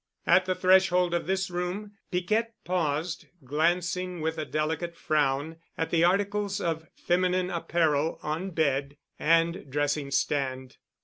At the threshold of this room Piquette paused, glancing with a delicate frown at the articles of feminine apparel on bed and dressing stand.